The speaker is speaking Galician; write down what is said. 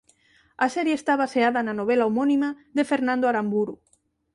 A serie está baseada na novela homónima de Fernando Aramburu.